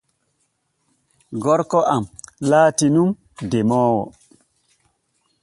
Gorko am laati nun demoowo.